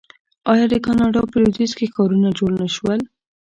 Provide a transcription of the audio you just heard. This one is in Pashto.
آیا د کاناډا په لویدیځ کې ښارونه جوړ نشول؟